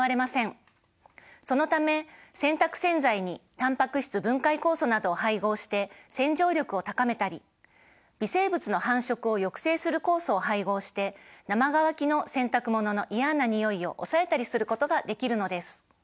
そのため洗濯洗剤にタンパク質分解酵素などを配合して洗浄力を高めたり微生物の繁殖を抑制する酵素を配合して生乾きの洗濯物の嫌なにおいを抑えたりすることができるのです。